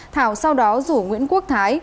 thảo sau đó rủ nguyễn quốc thái